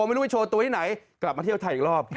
ไม่รู้ไปโชว์ตัวที่ไหนกลับมาเที่ยวไทยอีกรอบ